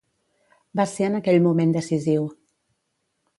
Va ser en aquell moment decisiu.